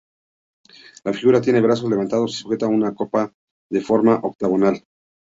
La figura tiene los brazos levantados, y sujeta una copa de forma octogonal.